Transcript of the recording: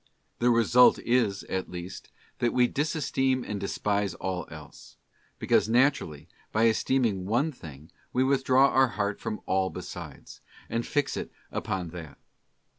The result is, at least, that we disesteem and despise all else; because naturally, by esteeming one thing we withdraw our heart from all besides, and fix it upon that.